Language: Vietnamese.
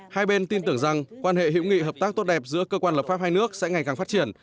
hai bên tin tưởng rằng quan hệ hữu nghị hợp tác tốt đẹp giữa cơ quan lập pháp hai nước sẽ ngày càng phát triển